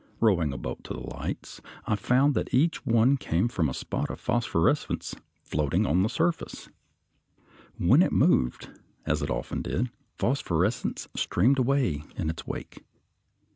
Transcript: Rowing a boat to the lights, I found that each one came from a spot of phosphorescence floating on the surface. When it moved, as it often did, phosphorescence streamed away in its wake.